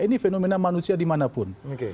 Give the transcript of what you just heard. ini fenomena manusia dimanapun